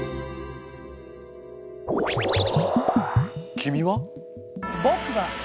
君は？